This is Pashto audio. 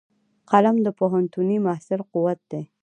قلم د پوهنتوني محصل قوت دی